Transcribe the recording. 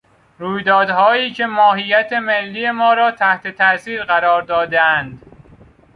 رویدادهایی که ماهیت ملی ما را تحت تاثیر قرار دادهاند